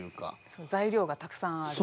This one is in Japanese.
そう材料がたくさんある。